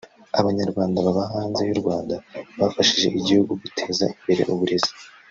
Abanyarwanda baba hanze y’u Rwanda bafashije igihugu guteza imbere uburezi